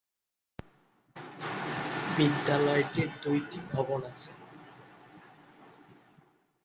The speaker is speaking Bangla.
বিদ্যালয়টির দুইটি ভবন আছে।